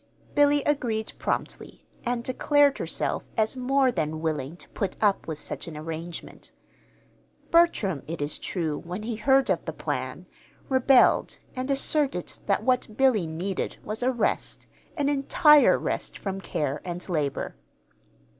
Billy agreed promptly, and declared herself as more than willing to put up with such an arrangement. Bertram, it is true, when he heard of the plan, rebelled, and asserted that what Billy needed was a rest, an entire rest from care and labor.